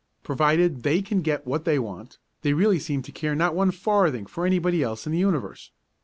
Provided they can get what they want, they really seem to care not one farthing for anybody else in the universe.